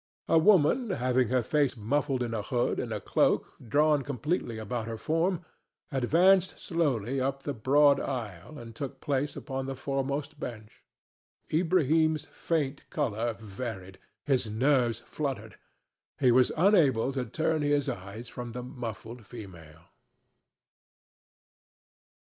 A woman having her face muffled in a hood and a cloak drawn completely about her form advanced slowly up the broad aisle and took place upon the foremost bench. Ilbrahim's faint color varied, his nerves fluttered; he was unable to turn his eyes from the muffled female.